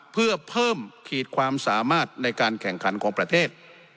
เพื่อเพิ่มขีดความสามารถในการแข่งขันของประเทศ